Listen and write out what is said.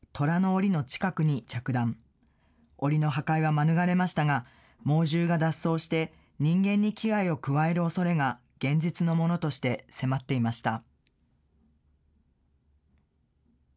おりの破壊は免れましたが、猛獣が脱走して、人間に危害を加えるおそれが現実のものとして迫っていました。